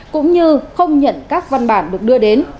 cũng như không nhận các văn bản được đưa đến